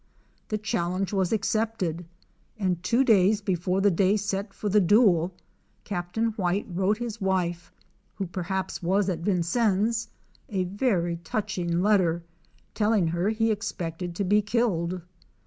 The challenge was accepted, and two days before the day set for the duel Captain White wrote his wife, who perhaps was at Vincennes, a very touching letter telling her he expected to be killed.